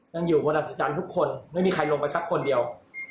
ยังอยู่บนอัศจรรย์ทุกคนไม่มีใครลงไปสักคนเดียว